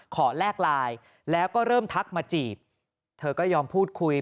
แลกไลน์แล้วก็เริ่มทักมาจีบเธอก็ยอมพูดคุย